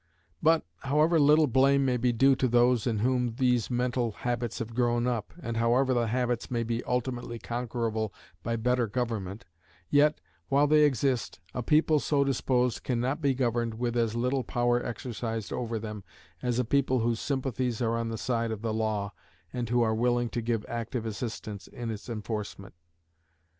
But, however little blame may be due to those in whom these mental habits have grown up, and however the habits may be ultimately conquerable by better government, yet, while they exist, a people so disposed can not be governed with as little power exercised over them as a people whose sympathies are on the side of the law, and who are willing to give active assistance in its enforcement.